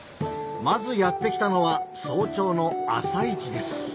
まずやって来たのは早朝の朝市です